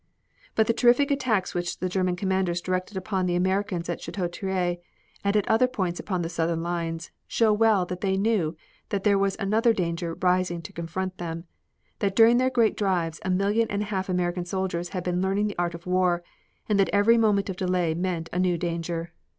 But the terrific attacks which the German commanders directed upon the Americans at Chateau Thierry and at other points upon the southern lines show well that they knew that there was another danger rising to confront them; that during their great drives a million and a half American soldiers had been learning the art of war, and that every moment of delay meant a new danger.